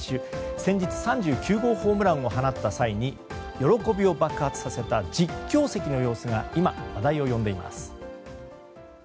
先日、３９号ホームランを放った際に喜びを爆発させた実況席の様子が今、話題を呼んでいます。